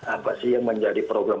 apa sih yang menjadi program